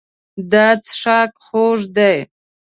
دا څښاک خوږ دی.